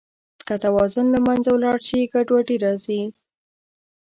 که توازن له منځه ولاړ شي، ګډوډي راځي.